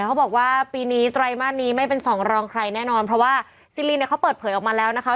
เขาบอกว่าปีนี้ไตรมาสนี้ไม่เป็นสองรองใครแน่นอนเพราะว่าซีลินเนี่ยเขาเปิดเผยออกมาแล้วนะคะ